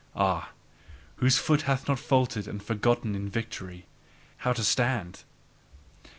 Ah, whose foot hath not faltered and forgotten in victory how to stand!